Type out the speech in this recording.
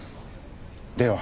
では。